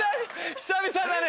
久々だね。